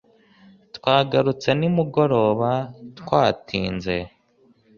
Twagarutse nimugoroba twatinze